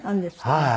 はい。